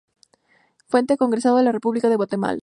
Fuente: Congreso de la República de Guatemala